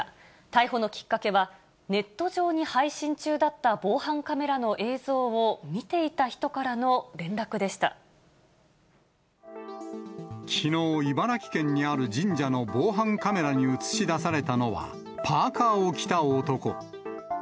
逮捕のきっかけは、ネット上に配信中だった防犯カメラの映像を見ていた人からの連絡きのう、茨城県にある神社の防犯カメラに映し出されたのは、パーカーを着た男。